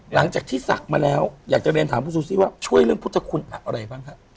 หลังจากที่ศักดิ์มาแล้วอยากจะเรียนถามคุณซูซี่ว่าช่วยเรื่องพุทธคุณอะไรบ้างฮะ